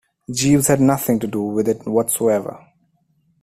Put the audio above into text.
Jeeves had nothing to do with it whatsoever.